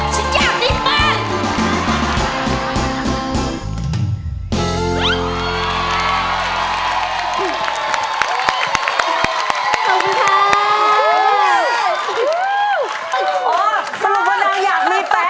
ฉันยากดีมาก